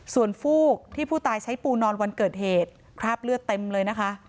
ส่วนฟูกที่ผู้ตายใช้ปูนอนวันเกิดเหตุคราบเลือดเต็มเลยนะคะ